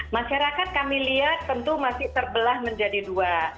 masyarakat kami lihat tentu masih terbelah menjadi dua